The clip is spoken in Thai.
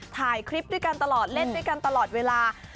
ถ่ายคลิปด้วยกันตลอดเล่นด้วยกันตลอดเวลา